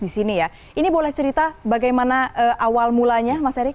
di sini ya ini boleh cerita bagaimana awal mulanya mas erick